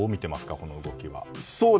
この動きは。